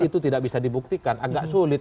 itu tidak bisa dibuktikan agak sulit